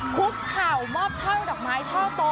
คุกเขามอบช่องดอกไม้ช่องโต